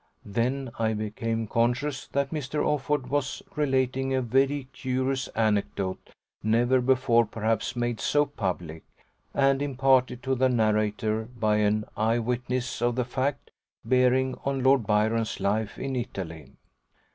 Then I became conscious that Mr. Offord was relating a very curious anecdote, never before perhaps made so public, and imparted to the narrator by an eye witness of the fact, bearing on Lord Byron's life in Italy.